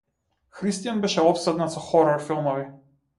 Христијан беше опседнат со хорор филмови.